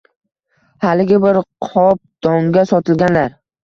Haligi bir qop donga sotilganlar